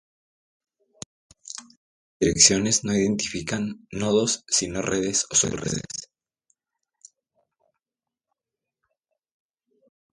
Estas direcciones no identifican nodos sino redes o subredes.